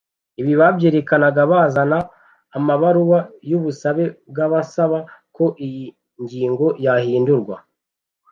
ibi babyerekanaga bazana amabaruwa y’ubusabe bw’abasaba ko iyi ngingo yahindurwa